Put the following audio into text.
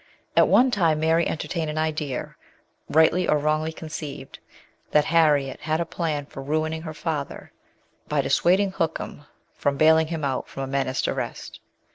At one time Mary entertained an idea, rightly or wrongly conceived, that Harriet had a plan for ruining her father by dissuading Hookham from bailing him out from a menaced arrest.